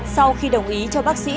sau khi đồng ý cho bác sĩ